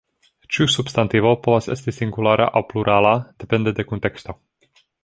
Ĉiu substantivo povas esti singulara aŭ plurala depende de kunteksto.